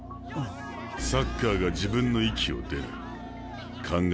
サッカーが「自分」の域を出ない。